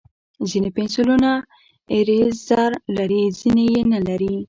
ځینې پنسلونه ایریزر لري، ځینې یې نه لري.